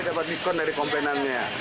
ini dapat diskon dari komponennya